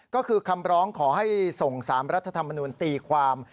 ก็คือคำร้องขอให้ส่ง๓รัฐธรรมนุนตีความ